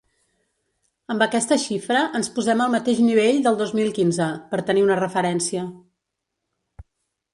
Amb aquesta xifra ens posem al mateix nivell del dos mil quinze, per tenir una referència.